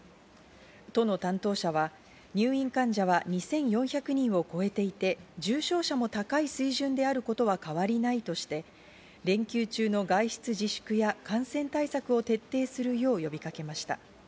都の担当者は入院患者は２４００人を超えていて、重症者も高い水準であることは変わりないとして、連休中の外出自粛や感染対策を徹底するよう呼びかけました。